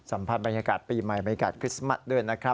สัมผัสบรรยากาศปีใหม่บรรยากาศคริสต์มัสด้วยนะครับ